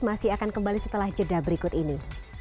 masih akan kembali setelah jeda berikut ini